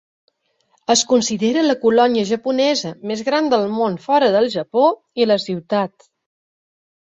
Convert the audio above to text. Es considera la colònia japonesa més gran del món fora del Japó, i la ciutat.